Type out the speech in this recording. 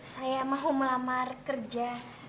saya mau melamar kerja